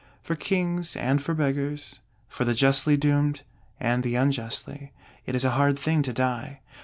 For Kings and for Beggars, for the justly doomed and the unjustly, it is a hard thing to die.